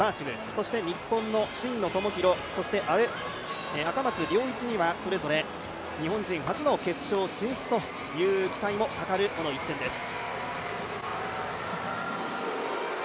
そして日本の真野友博、赤松諒一にはそれぞれ日本人初の決勝進出という期待もかかるこの一戦です。